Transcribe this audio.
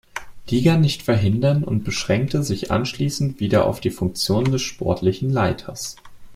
Liga nicht verhindern und beschränkte sich anschließend wieder auf die Funktion des Sportlichen Leiters.